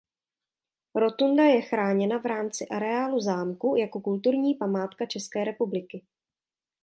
Rotunda je chráněna v rámci areálu zámku jako kulturní památka České republiky.